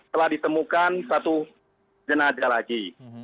telah ditemukan satu jenazah lagi